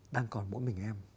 đang còn mỗi mình em